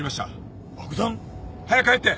早く入って。